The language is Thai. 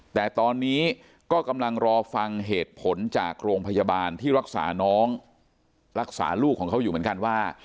แต่ตอนนี้ก็กำลังรอฟังเหตุผลจากโรงพยาบาลที่รักษาน้องรักษาลูกของเขาอยู่เหมือนกันว่า